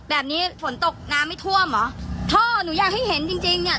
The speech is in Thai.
แบบนี้ฝนตกน้ำไม่ท่วมเหรอท่อหนูอยากให้เห็นจริงจริงเนี้ย